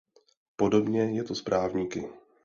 Podobně je to s právníky.